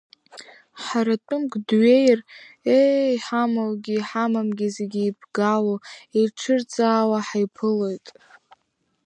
Ҳара тәымк дҩеир, ее, иҳамоугьы-иҳамамгьы зегьы еиԥгало, еиҿырцаауа ҳаиԥылоит.